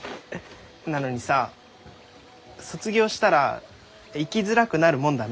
なのにさ卒業したら行きづらくなるもんだね。